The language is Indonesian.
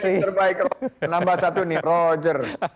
yang terbaik nambah satu nih roger